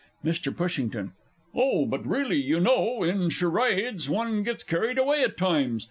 MR. PUSHINGTON. Oh, but really, you know, in Charades one gets carried away at times.